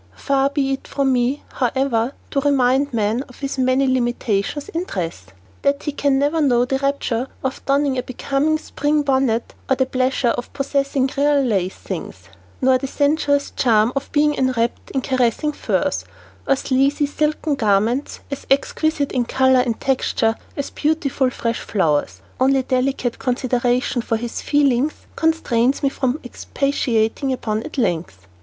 Far be it from me, however, to remind man of his many limitations in dress. That he can never know the rapture of donning a becoming spring bonnet, nor the pleasure of possessing "real lace" things, nor the sensuous charm of being enwrapped in caressing furs, or sleazy, silken garments as exquisite in color and texture as beautiful, fresh flowers, only delicate consideration for his feelings constrains me from expatiating upon at length.